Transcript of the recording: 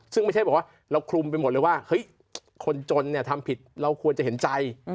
ซึ่งไม่ใช่บอกว่าเราคลุมไปหมดเลยว่าเฮ้ยคนจนเนี่ยทำผิดเราควรจะเห็นใจ